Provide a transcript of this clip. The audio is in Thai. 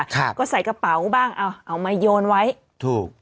ครับก็ใส่กระเป๋าบ้างเอาเอามาโยนไว้ถูก